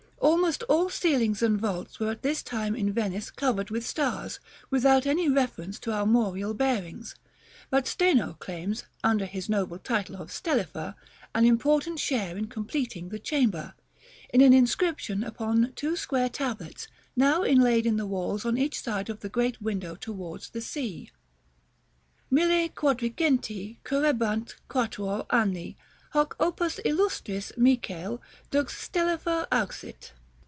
Almost all ceilings and vaults were at this time in Venice covered with stars, without any reference to armorial bearings; but Steno claims, under his noble title of Stellifer, an important share in completing the chamber, in an inscription upon two square tablets, now inlaid in the walls on each side of the great window towards the sea: "MILLE QUADRINGENTI CURREBANT QUATUOR ANNI HOC OPUS ILLUSTRIS MICHAEL DUX STELLIFER AUXIT."